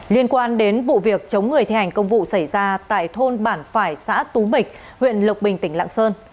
liên quan đến vụ việc chống người thi hành công vụ xảy ra tại thôn bản phải xã tú mịch huyện lộc bình tỉnh lạng sơn